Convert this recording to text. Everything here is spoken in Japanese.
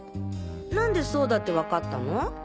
何でそうだって分かったの？